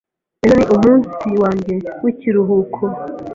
Ejo ni umunsi wanjye w'ikiruhuko.